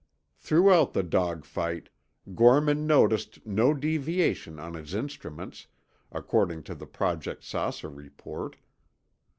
Throughout the dogfight, Gorman noticed no deviation on his instruments, according to the Project "Saucer" report.